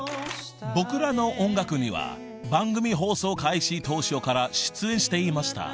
［『僕らの音楽』には番組放送開始当初から出演していました］